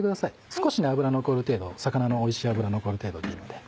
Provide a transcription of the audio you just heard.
少し脂残る程度魚のおいしい脂残る程度でいいので。